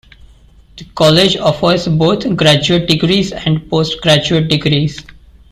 The college offers both Graduate Degrees and Postgraduate Degrees.